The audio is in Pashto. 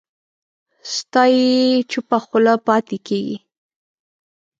ستایي یې چوپه خوله پاتې کېږي